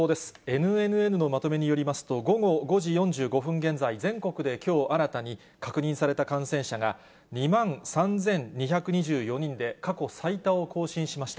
ＮＮＮのまとめによりますと、午後５時４５分現在、全国できょう新たに確認された感染者が２万３２２４人で、過去最多を更新しました。